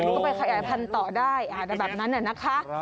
ก็ไปขยายพันธุ์ต่อได้อาจจะแบบนั้นนะคะ